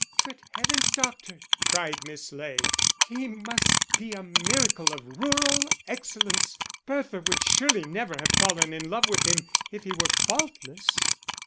"Good heavens, Doctor," cried Miss Ley, "he must be a miracle of rural excellence. Bertha would surely never have fallen in love with him if he were faultless."